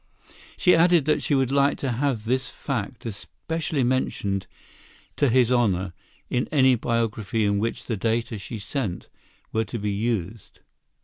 She added that she would like to have this fact especially mentioned "to his honor" in any biography in which the data she sent were to be used.